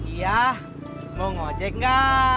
iya mau ngawet jengga